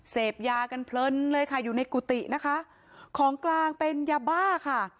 เสพยากันเพลินเลยค่ะอยู่ในกุฏินะคะของกลางเป็นยาบ้าค่ะ